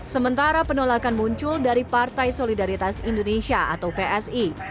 sementara penolakan muncul dari partai solidaritas indonesia atau psi